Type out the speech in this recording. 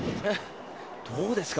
どうですか？